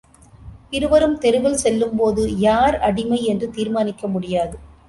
இருவரும் தெருவில் செல்லும்போது, யார் அடிமை என்று தீர்மானிக்க முடியாது.